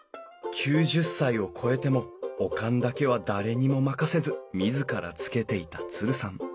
９０歳を超えてもお燗だけは誰にも任せず自らつけていたツルさん。